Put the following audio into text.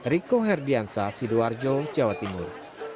riko herdiansa sidoarjo jawa timur